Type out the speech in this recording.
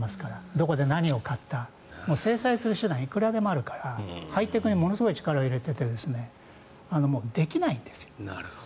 どこで何を買った制裁する手段はいくらでもあるからハイテクにものすごい力を入れていてできないんですよ。